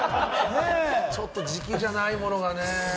ちょっと時期じゃないものはね。